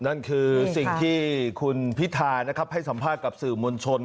นั่นคือสิ่งที่คุณพิธานะครับให้สัมภาษณ์กับสื่อมวลชน